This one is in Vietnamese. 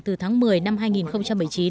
từ tháng một mươi năm hai nghìn một mươi chín